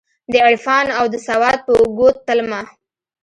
دعرفان اودسواد په اوږو تلمه